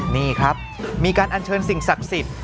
นี่ครับมีการอัญเชิญสิ่งศักดิ์สิทธิ์